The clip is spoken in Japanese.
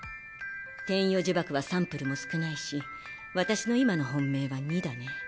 天与呪縛はサンプルも少ないし私の今の本命は２だね。